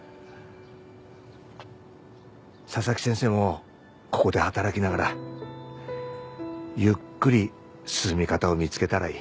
佐々木先生もここで働きながらゆっくり進み方を見つけたらいい。